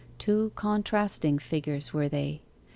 Two contrasting figures were they.